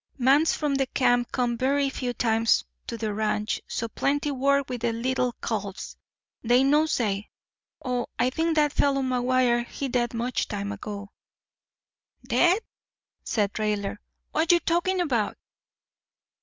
"Mans from the camp come verree few times to the ranch. So plentee work with the leetle calves. They no say. Oh, I think that fellow McGuire he dead much time ago." "Dead!" said Raidler. "What you talking about?"